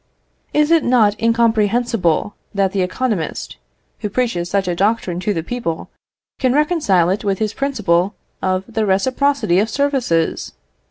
Is it not incomprehensible that the economist, who preaches such a doctrine to the people, can reconcile it with his principle of the reciprocity of services?